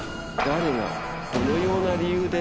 誰がどのような理由で。